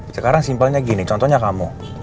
sekarang simpelnya gini contohnya kamu